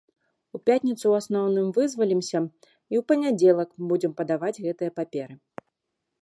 У пятніцу ў асноўным вызвалімся і ў панядзелак будзем падаваць гэтыя паперы.